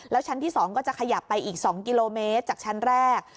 ชั้นที่๒ก็จะขยับไปอีก๒กิโลเมตรจากชั้นแรก